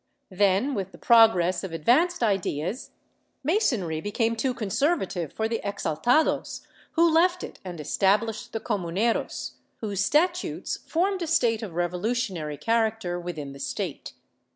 Then, with the progress of advanced ideas. Masonry became too conservative for the exaliados, who left it and established the Comuneros, whose statutes formed a state of revolutionary character within the State.